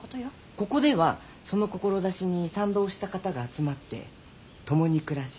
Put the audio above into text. ここではその志に賛同した方が集まって共に暮らし